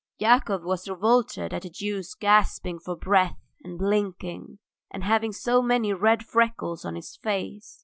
Yakov was revolted at the Jew's gasping for breath and blinking, and having so many red freckles on his face.